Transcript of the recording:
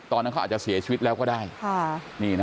ตอนนั้นเขาอาจจะเสียชีวิตแล้วก็ได้